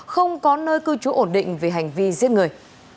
không có nơi cư trú ổn định về hành vi giết người